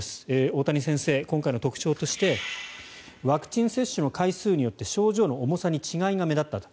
大谷先生、今回の特徴としてワクチン接種の回数によって症状の重さに違いが目立ったと。